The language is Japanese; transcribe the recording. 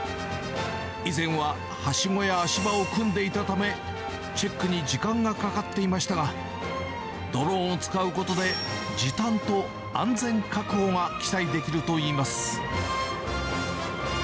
以前は、はしごや足場を組んでいたため、チェックに時間がかかっていましたが、ドローンを使うことで、時短と安全確保が期待できるといいます。